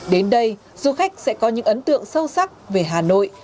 đến đây du khách sẽ có những ấn tượng sâu sắc về hà nội